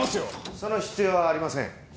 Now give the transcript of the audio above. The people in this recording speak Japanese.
その必要はありません。